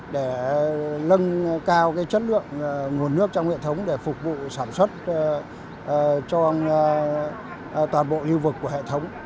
để nâng cao chất lượng nguồn nước trong hệ thống để phục vụ sản xuất cho toàn bộ lưu vực của hệ thống